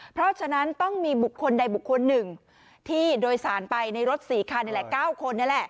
เพราะฉะนั้นต้องมีบุคคลใดบุคคลหนึ่งที่โดยสารไปในรถ๔คันนี่แหละ๙คนนี่แหละ